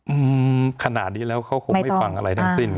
อืมขนาดนี้แล้วเขาคงไม่ฟังอะไรทั้งสิ้น